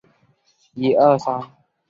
神是使用仙术的必要值。